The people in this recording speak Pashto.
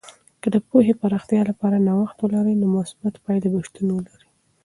که د پوهې د پراختیا لپاره نوښت ولرئ، نو مثبتې پایلې به شتون ولري.